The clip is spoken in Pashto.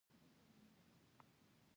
دا وخت دی چې ځینې خلک پورته او ځینې ټیټوي